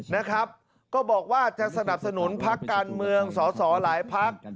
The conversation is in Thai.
นะครับก็บอกว่าจะสนับสนุนพักการเมืองสอสอหลายพัก